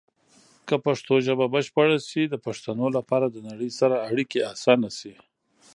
که پښتو ژبه بشپړه شي، د پښتنو لپاره د نړۍ سره اړیکې اسانه شي.